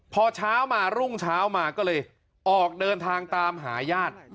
พอเช้ามารุ่งเช้ามาก็เลยออกเดินทางตามหาญาติ